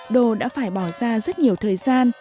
đô đã phải bỏ ra rất nhiều thời gian